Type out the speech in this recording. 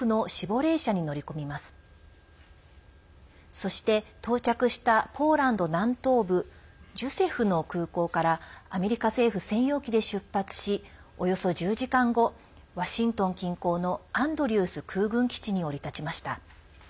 そして、到着したポーランド南東部ジェシュフの空港からアメリカ政府専用機で出発しおよそ１０時間後ワシントン近郊のアンドリュース空軍基地に降り立ちました。